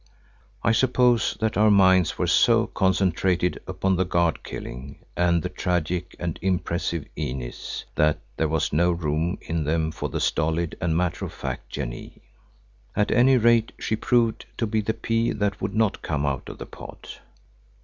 I suppose that our minds were so concentrated upon the guard killing and the tragic and impressive Inez that there was no room in them for the stolid and matter of fact Janee. At any rate she proved to be the pea that would not come out of the pod.